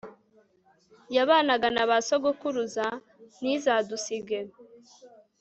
yabanaga na ba sogokuruza ntizadusige